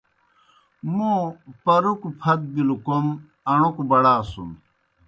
موں پَرُکوْ پھت بِلوْ کوْم اݨوک بڑاسُن۔